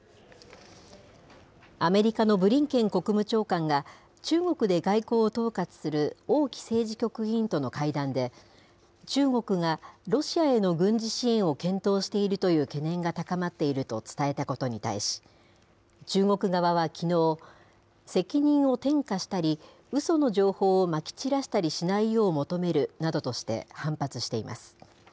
アメリカのブリンケン国務長官が、中国で外交を統括する王毅政治局委員との会談で、中国がロシアへの軍事支援を検討しているという懸念が高まっていると伝えたことに対し、中国側はきのう、責任を転嫁したり、うその情報をまき散らしたりしないよう求めるなどとして反発しています。